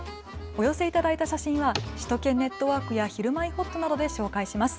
お寄せいただいた写真は首都圏ネットワークやひるまえほっとなどで紹介します。